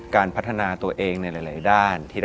การพัฒนาตัวเองในหลายด้าน